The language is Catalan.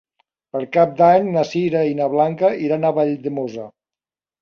Per Cap d'Any na Sira i na Blanca iran a Valldemossa.